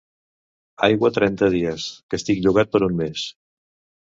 Aigua trenta dies, que estic llogat per un mes.